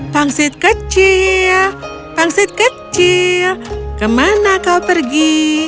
pangsit kecil pangsit kecil kemana kau pergi